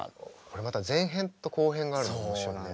これまた前編と後編があるのが面白いね。